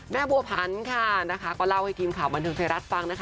แม่บัวพันธ์ค่ะนะคะก็เล่าให้กิมข่าวบนทรัพย์ไทยรัฐฟังนะคะ